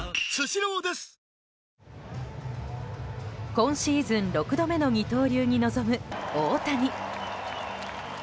今シーズン６度目の二刀流に臨む大谷。